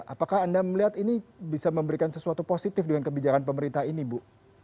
apakah anda melihat ini bisa memberikan sesuatu positif dengan kebijakan pemerintah ini bu